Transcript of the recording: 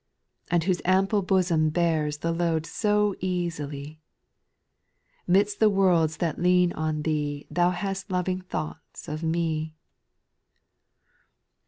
211 And whose ample bosom bears The load so easily. Midst the worlds that lean on Thee Thou hast loving thoughts of me.